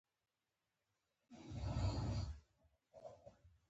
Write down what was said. کچالو سړی مړ کوي